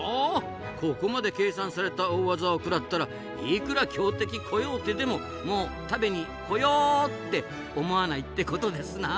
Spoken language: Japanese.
ここまで計算された大技を食らったらいくら強敵コヨーテでももう食べにコヨーって思わないってことですな。